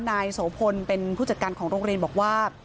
นายโสพลเป็นผู้จัดการของโรงเรียนบอกว่า